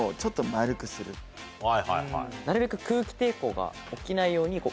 なるべく。